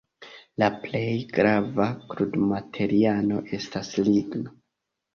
La plej grava krudmaterialo estas la ligno.